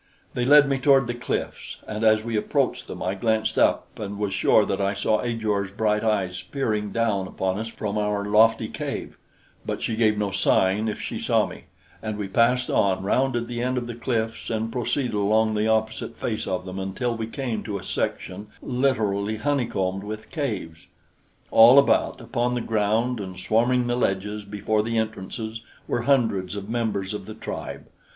They led me toward the cliffs, and as we approached them, I glanced up and was sure that I saw Ajor's bright eyes peering down upon us from our lofty cave; but she gave no sign if she saw me; and we passed on, rounded the end of the cliffs and proceeded along the opposite face of them until we came to a section literally honeycombed with caves. All about, upon the ground and swarming the ledges before the entrances, were hundreds of members of the tribe.